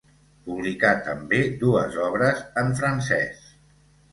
Publicà també dues obres en francès.